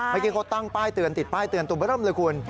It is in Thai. เมื่อกี้เขาตั้งป้ายเตือนติดป้ายเตือนตุบร่ำเลยคุณ